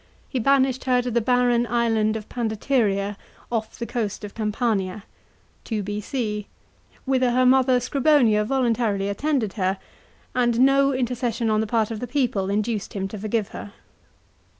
He banished her to the barren island of Pandateria off the coast of Campania (2 B.C.), whither her mother Scribonia voluntarily attended her, and no intercession on the part of the people induced him to forgive her.